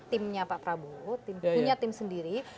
timnya pak prabowo punya tim sendiri